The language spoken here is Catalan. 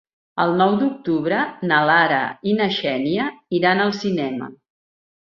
El nou d'octubre na Lara i na Xènia iran al cinema.